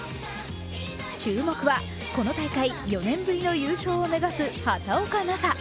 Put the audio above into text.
注目はこの大会４年ぶりの優勝を目指す畑岡奈紗。